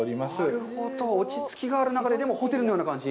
なるほど、落ち着きがある中で、でも、ホテルのような感じ。